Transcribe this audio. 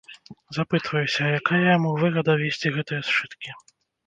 Запытваюся, а якая яму выгада, весці гэтыя сшыткі.